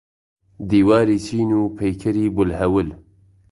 دیواری چین و پەیکەری بولهەول.